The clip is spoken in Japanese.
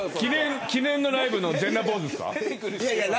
記念のライブの全裸ポーズですか。